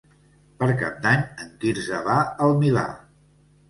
Per Cap d'Any en Quirze va al Milà.